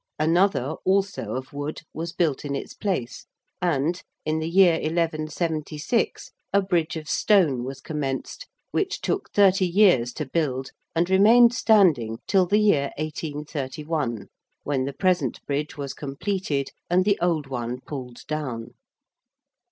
Another, also of wood, was built in its place and, in the year 1176, a bridge of stone was commenced, which took thirty years to build and remained standing till the year 1831, when the present Bridge was completed and the old one pulled down.